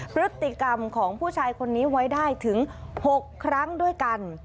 พฤติกรรมของผู้ชายคนนี้ไว้ได้ถึง๖ครั้งด้วยกัน